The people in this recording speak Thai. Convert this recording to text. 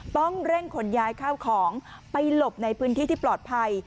ต้องเร่งขนย้ายข้าวของไปหลบในพื้นที่ที่ปลอดภัย